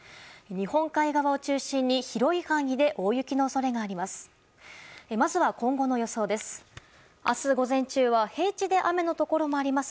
日本海側を中心に広い範囲で大雪の恐れがあります。